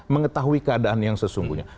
mengetahui keadaan yang sesungguhnya